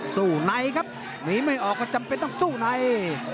สู้ในครับหนีไม่ออกก็จำเป็นต้องสู้ใน